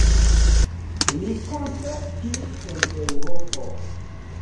Li koncertis en Eŭropo.